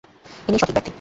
ইনিই সঠিক ব্যক্তি।